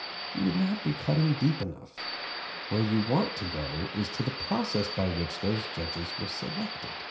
You would not be cutting deep enough. Where you want to go is to the process by which those judges were selected.